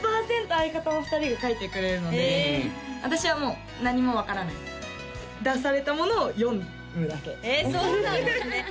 相方の２人が書いてくれるので私はもう何も分からない出されたものを読むだけえそうなんですね